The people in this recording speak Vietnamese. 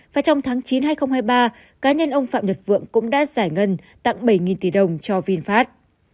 và trong tháng chín hai nghìn hai mươi ba cá nhân ông phạm nhật vượng cũng đã giải ngân tặng bảy tỷ đồng cho vinfast